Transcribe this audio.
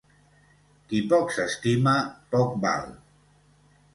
Qui poc s'estima, poc val.